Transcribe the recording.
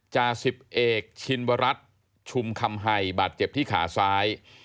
จาสิบเอกชินวรัฐชุมคำไฮบาดเจ็บที่ขาซ้าย